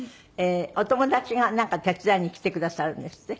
お友達が手伝いに来てくださるんですって？